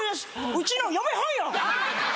うちの嫁はんやん。